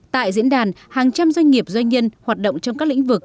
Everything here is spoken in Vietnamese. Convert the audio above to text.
tại diễn đàn hàng trăm doanh nghiệp doanh nhân hoạt động trong các lĩnh vực